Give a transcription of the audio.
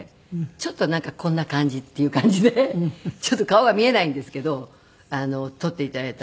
ちょっとこんな感じっていう感じでちょっと顔が見えないんですけど撮って頂いた。